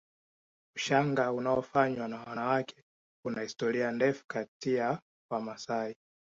Ushanga unaofanywa na wanawake una historia ndefu kati ya Wamasai